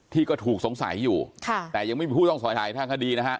ที่ก็ถูกสงสัยอยู่ค่ะแต่ยังไม่มีผู้ต้องสอยหายทางคดีนะฮะ